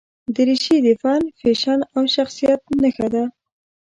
دریشي د فن، فیشن او شخصیت نښه ده.